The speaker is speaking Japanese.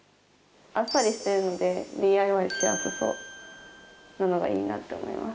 あっさりしてるのでＤＩＹしやすそうなのがいいなって思います。